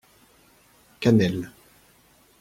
cannelle